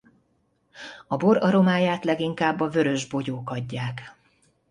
A bor aromáját leginkább a vörös bogyók adják.